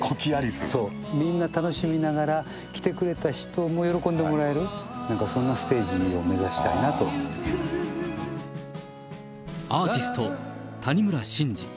みんな楽しみながら、来てくれた人も喜んでもらえる、なんかアーティスト、谷村新司。